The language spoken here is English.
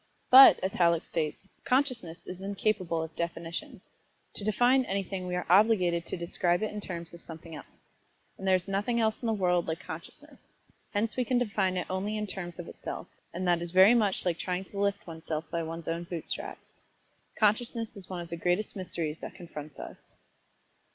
But, as Halleck states, "Consciousness is incapable of definition. To define anything we are obliged to describe it in terms of something else. And there is nothing else in the world like consciousness, hence we can define it only in terms of itself, and that is very much like trying to lift one's self by one's own boot straps. Consciousness is one of the greatest mysteries that confronts us."